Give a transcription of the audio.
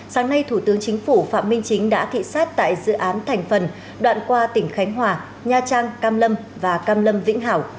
sáng nay thủ tướng chính phủ phạm minh chính đã thị xát tại dự án thành phần đoạn qua tỉnh khánh hòa nha trang cam lâm và cam lâm vĩnh hảo